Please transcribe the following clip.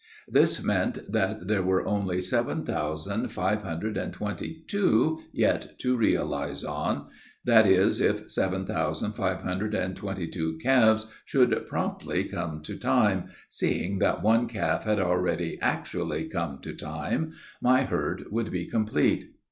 This meant that there were only seven thousand five hundred and twenty two yet to realize on; that is, if seven thousand five hundred and twenty two calves should promptly come to time, seeing that one calf had already actually come to time, my herd would be complete.